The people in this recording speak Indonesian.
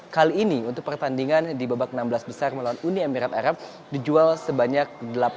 kali ini untuk pertandingan di babak enam belas besar melawan uni emirat arab dijual sebanyak delapan puluh